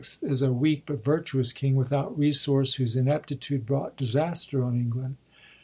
is a weak but virtuous king without resource, whose ineptitude brought disaster on England.